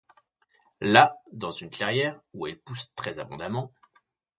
Là, dans une clairière, où elle pousse très-abondamment.